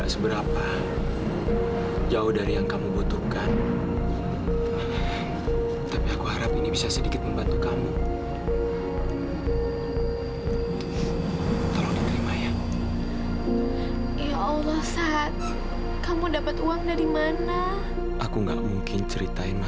sampai jumpa di video selanjutnya